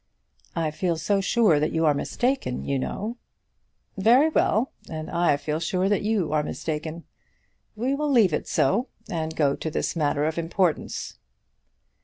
"I feel so sure that you are mistaken, you know." "Very well; and I feel sure that you are mistaken. We will leave it so, and go to this matter of importance."